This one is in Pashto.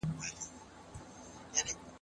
ښایي ګڼ خلګ اوږد ډنډ ړنګ کړي.